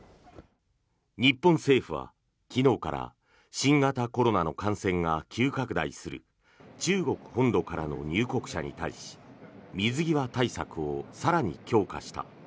日本政府は昨日から新型コロナの感染が急拡大する中国本土からの入国者に対し水際対策を更に強化した。